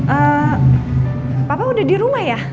eh papa udah di rumah ya